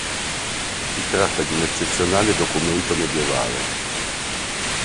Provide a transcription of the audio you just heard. Si tratta di un eccezionale documento medievale.